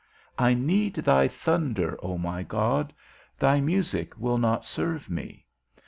I need thy thunder, O my God; thy music will not serve me.